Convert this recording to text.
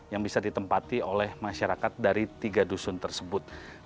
yang bisa ditempati oleh masyarakat dari tiga dusun dari desa cemarajaya